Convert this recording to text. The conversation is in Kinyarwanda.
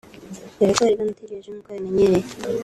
dore ko bari bamutegereje nk’uko yabibemereye